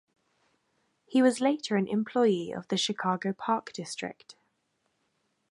He was later an employee of the Chicago Park District.